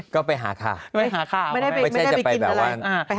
ก็ไปหาข้าวไม่ได้ไปกินอะไรไปหาข้าว